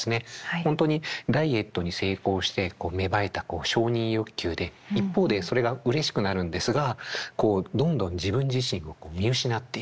本当にダイエットに成功して芽生えた承認欲求で一方でそれがうれしくなるんですがどんどん自分自身を見失っていく。